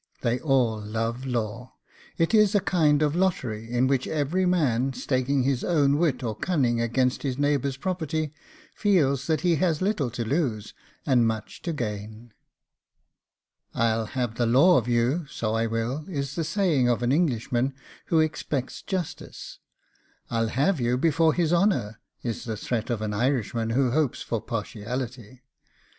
They all love law. It is a kind of lottery, in which every man, staking his own wit or cunning against his neighbour's property, feels that he has little to lose, and much to gain. 'I'll have the law of you, so I will!' is the saying of an Englishman who expects justice. 'I'll have you before his honour,' is the threat of an Irishman who hopes for partiality.